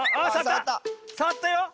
さわったよ！